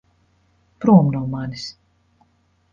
Prom no manis!